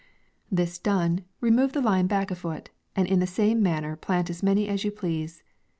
This done, remove the line back a foot, and in the same manner, plant as many as you please.